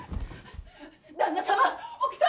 旦那様奥様